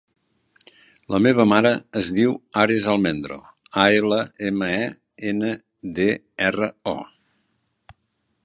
La meva mare es diu Ares Almendro: a, ela, ema, e, ena, de, erra, o.